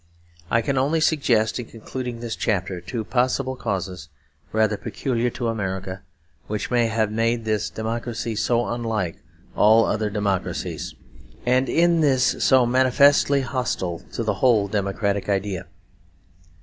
I can only suggest, in concluding this chapter, two possible causes rather peculiar to America, which may have made this great democracy so unlike all other democracies, and in this so manifestly hostile to the whole democratic idea.